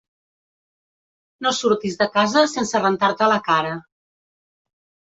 No surtis de casa sense rentar-te la cara.